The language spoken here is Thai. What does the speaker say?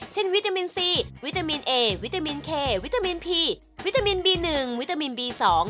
วิตามินซีวิตามินเอวิตามินเควิตามินพีวิตามินบีหนึ่งวิตามินบี๒